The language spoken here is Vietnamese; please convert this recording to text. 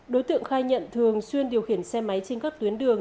đối tượng khai nhận thường xuyên điều khiển xe máy trên các tuyến đường